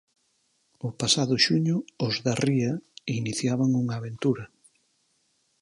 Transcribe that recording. O pasado xuño Os da Ría iniciaban unha aventura.